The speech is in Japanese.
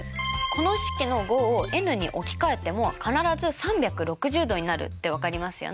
この式の５をｎに置き換えても必ず３６０°になるって分かりますよね。